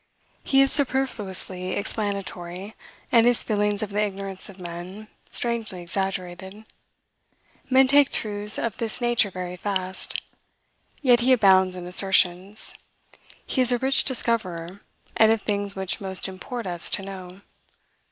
He is superfluously explanatory, and his feelings of the ignorance of men, strangely exaggerated. Men take truths of this nature very fast. Yet he abounds in assertions; he is a rich discoverer, and of things which most import us to know.